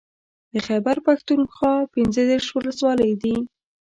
د خېبر پښتونخوا پنځه دېرش ولسوالۍ دي